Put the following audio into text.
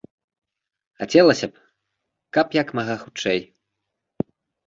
Хацелася б, каб як мага хутчэй!